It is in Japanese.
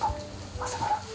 朝から。